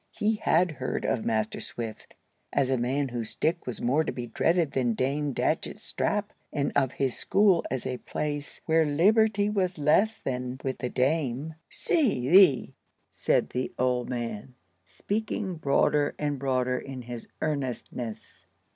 He had heard of Master Swift as a man whose stick was more to be dreaded than Dame Datchett's strap, and of his school as a place where liberty was less than with the Dame. "See thee!" said the old man, speaking broader and broader in his earnestness.